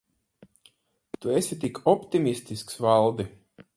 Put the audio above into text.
Tu esi tik optimistisks, Valdi.